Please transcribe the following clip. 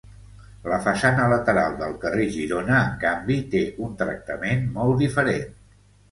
La façana lateral del carrer Girona, en canvi, té un tractament molt diferent.